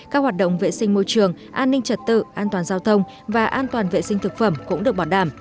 các hoạt động vệ sinh môi trường an ninh trật tự an toàn giao thông và an toàn vệ sinh thực phẩm cũng được bảo đảm